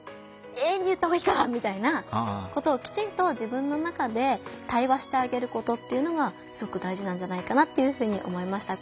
Ａに言った方がいいか」みたいなことをきちんと自分の中で対話してあげることっていうのがすごくだいじなんじゃないかなっていうふうに思いました。